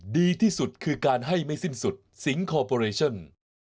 ดีที่สุดคือการให้ไม่สิ้นสุดสิงคอร์ปอเรชั่น